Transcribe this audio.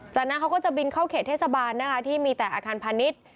จากนั้นเขาก็จะบินเข้าเขตเทศบาลนะคะที่มีแต่อาคารพาณิชย์